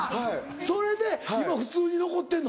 それで今普通に残ってんの？